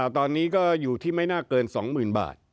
ตอนนี้ก็อยู่ที่ไม่น่าเกิน๒๐๐๐บาท